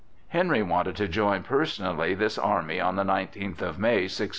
Henry wanted to join personally this army on the nineteenth of May, 1610.